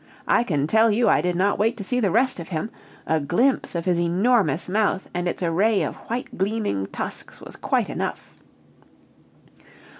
I can tell you I did not wait to see the rest of him! a glimpse of his enormous mouth and its array of white gleaming tusks was quite enough.